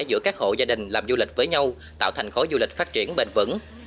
giữa các hộ gia đình làm du lịch với nhau tạo thành khối du lịch phát triển bền vững